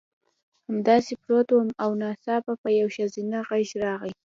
همداسې پروت وم او ناڅاپه یو ښځینه غږ راغی